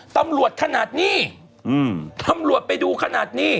ตำรวจขนาดนี้ตำรวจไปดูขนาดนี้